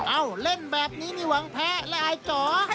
เล่นแบบนี้นี่หวังแพ้และอายจ๋อ